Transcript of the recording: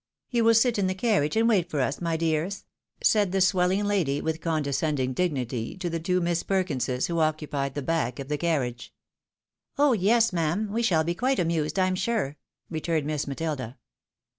" You will sit in the carriage, and wait for us, my dears," A MOHNING VISIT. 809 said the swelling lady, with condescending dignity, to the two iliss Perkinses, who occupied the back of the carriage. " Oh ! yes, ma'am ! we shall be quite amused, I'm sure," returned Miss Matilda.